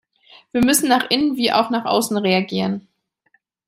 Wir müssen nach innen wie auch nach außen reagieren.